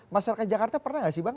masyarakat jakarta pernah nggak sih bang